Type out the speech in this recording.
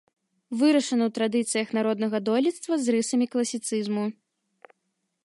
Вырашана ў традыцыях народнага дойлідства з рысамі класіцызму.